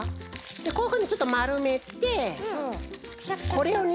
こういうふうにちょっとまるめてこれをね